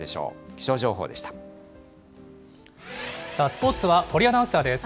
スポーツは堀アナウンサーです。